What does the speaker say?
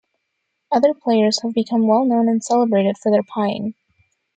Other players have become well-known and celebrated for their pieing.